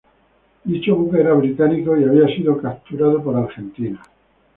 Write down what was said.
Dicho buque era británico y había sido capturado por Argentina.